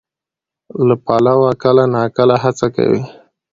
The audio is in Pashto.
له پلوه کله ناکله هڅه کوي،